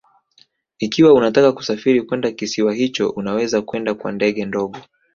Ikiwa unataka kusafiri kwenda kisiwa hicho unaweza kwenda kwa ndege ndogo